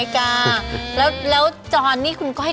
ก้าวเบื้องก้าว